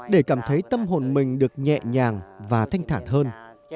để cảm thấy tâm hồn mình được nhẹ nhàng và thanh thản hơn